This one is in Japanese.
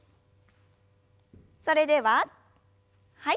それでははい。